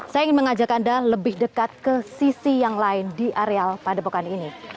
saya ingin mengajak anda lebih dekat ke sisi yang lain di areal padepokan ini